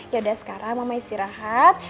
yaudah sekarang mama istirahat